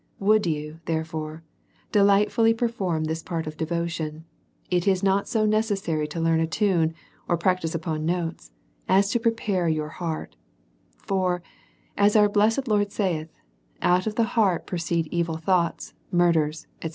Would you, therefore, delightfully perform this part of devotion, it is not so necessary to learn a tune, or practise upon notes, as to prepare your heart; for, as our blessed Lord saith, out of the heart proceed evil thoughts, murders, &c.